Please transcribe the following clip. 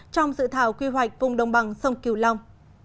trong dự thảo quy hoạch vùng đồng bằng sông kiều long